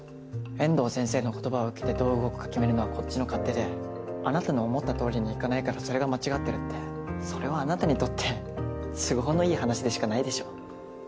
遠藤先生の言葉を受けてどう動くか決めるのはこっちの勝手であなたの思ったとおりにいかないからそれが間違ってるってそれはあなたにとって都合のいい話でしかないでしょう。